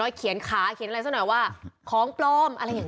น้อยเขียนขาเขียนอะไรซะหน่อยว่าของปลอมอะไรอย่าง